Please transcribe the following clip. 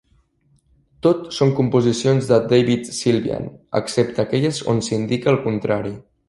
Tot són composicions de David Sylvian, excepte aquelles on s'indica el contrari.